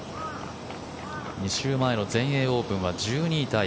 ２週前の全英オープンは１２位タイ。